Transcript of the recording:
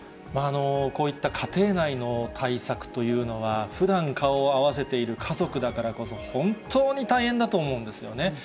こういった家庭内の対策というのは、ふだん顔を合わせている家族だからこそ、本当に大変だと思うんですよね。